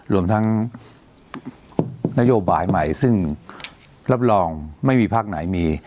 รวมทั้งนโยบายใหม่ซึ่งรับรองไม่มีภาคไหนมี